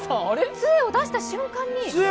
つえを出した瞬間に！